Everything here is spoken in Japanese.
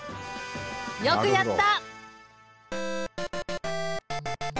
よくやった。